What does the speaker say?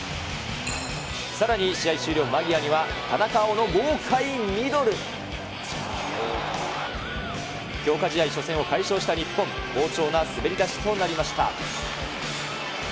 さらに試合終了間際には、田中碧の豪快ミドル。強化試合初戦を快勝した日本、好調な滑り出しとなりました。